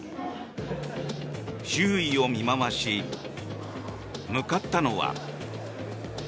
周囲を見回し、向かったのは。